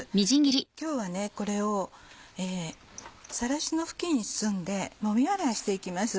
今日はこれをさらしの布巾に包んでもみ洗いしていきます。